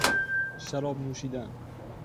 شراب نوشیدن